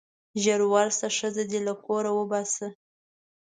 ژر ورشه ښځه دې له کوره وباسه.